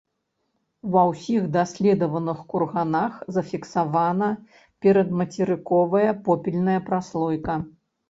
Ва ўсіх даследаваных курганах зафіксавана перадмацерыковая попельная праслойка.